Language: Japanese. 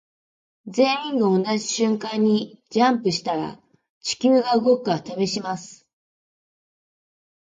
全員が同じ瞬間にジャンプしたら地球が動くか試します。